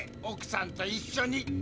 おくさんと一緒に。